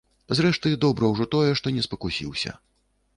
Зрэшты, добра ўжо тое, што не спакусіўся.